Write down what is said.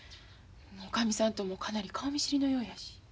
おかみさんともかなり顔見知りのようやし。